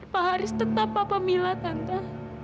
pak haris tetap papa mila tante